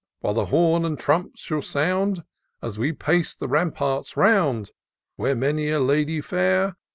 While the horn and trump shall sound As we pace the ramparts round. Where many a lady fair.